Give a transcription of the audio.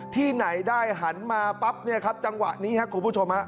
ที่ไหนได้หันมาปั๊บเนี่ยครับจังหวะนี้ครับคุณผู้ชมฮะ